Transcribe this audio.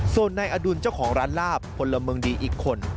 ส่วนนายอดุลเจ้าของร้านลาบพลเมืองดีอีกคน